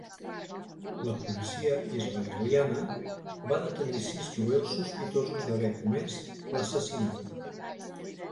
La policia israeliana va detenir sis jueus sospitosos d'haver comès l'assassinat.